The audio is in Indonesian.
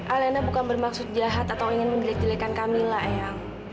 alena bukan bermaksud jahat atau ingin mendelek delekan kamilah ayang